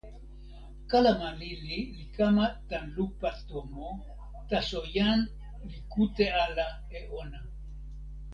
kalama lili li kama tan lupa tomo, taso jan li kute ala e ona.